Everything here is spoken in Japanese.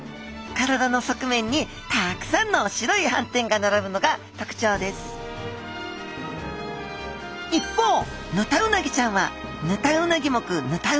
体の側面にたくさんの白いはんてんがならぶのがとくちょうです一方ヌタウナギちゃんはヌタウナギ目ヌタウナギ科。